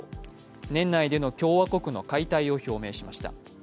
年内での共和国の解体を表明しました。